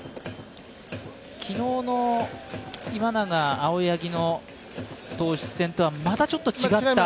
昨日の今永、青柳の投手戦とはまたちょっと違った？